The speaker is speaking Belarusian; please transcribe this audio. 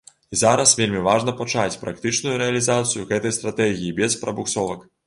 І зараз вельмі важна пачаць практычную рэалізацыю гэтай стратэгіі без прабуксовак.